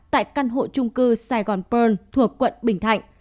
tại căn hộ trung cư saigon pearl thuộc quận bình thạnh